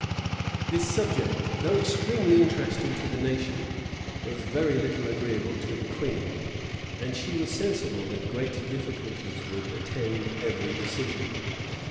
This subject, though extremely interesting to the nation, was very little agreeable to the queen; and she was sensible that great difficulties would attend every decision.